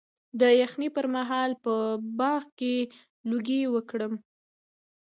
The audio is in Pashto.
د یخنۍ پر مهال په باغ کې لوګی وکړم؟